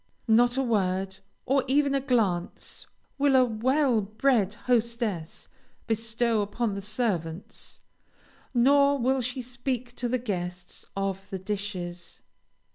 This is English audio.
Not a word, or even a glance, will a well bred hostess bestow upon the servants, nor will she speak to the guests of the dishes.